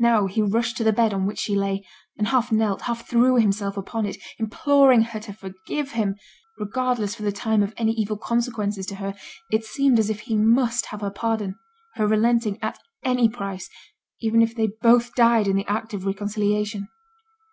Now he rushed to the bed on which she lay, and half knelt, half threw himself upon it, imploring her to forgive him; regardless for the time of any evil consequences to her, it seemed as if he must have her pardon her relenting at any price, even if they both died in the act of reconciliation.